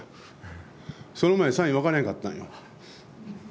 いやいや、その前のサイン、分からへんかったんよ。